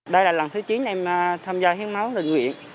đây là lần thứ chín em tham gia hiến máu tình nguyện